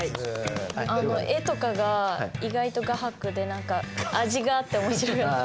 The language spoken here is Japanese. あの絵とかが意外と画伯で何か味があって面白かったです。